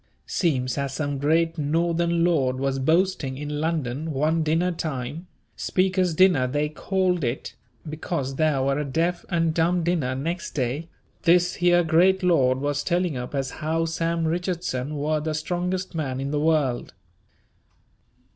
Seems as some great Northern lord was boasting in London one dinner time, Speaker's dinner they called it because there were a deaf and dumb dinner next day, this here great lord was telling up as how Sam Richardson were the strongest man in the world.